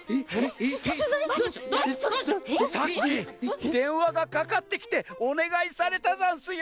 さっきでんわがかかってきておねがいされたざんすよ！